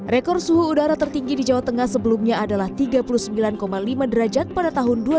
rekor suhu udara tertinggi di jawa tengah sebelumnya adalah tiga puluh sembilan lima derajat pada tahun dua ribu dua puluh